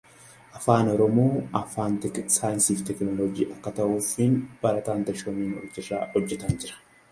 The plot follows Sakhi (Keerthy) who supposedly brings bad luck to everyone.